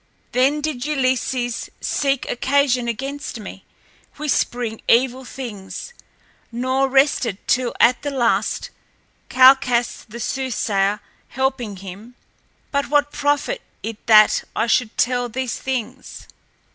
Then did Ulysses seek occasion against me, whispering evil things, nor rested till at the last, Calchas the soothsayer helping him but what profit it that I should tell these things?